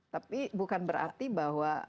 tapi bukan berarti bahwa